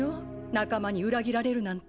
仲間に裏切られるなんて。